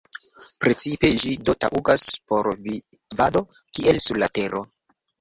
Principe ĝi do taŭgas por vivado, kiel sur la Tero.